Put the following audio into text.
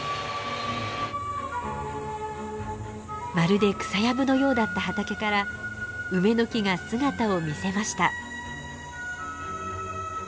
まるで草やぶのようだった畑から梅の木が姿を見せました。